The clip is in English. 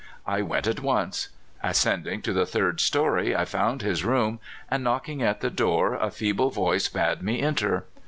I went at once. Ascending to the third story, I found his room, and, knocking at the door, a feeble voice bade me enter.